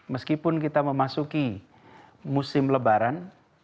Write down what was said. meskipun kita memasuki musim lebaran